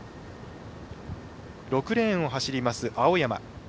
６レーンを走ります、青山。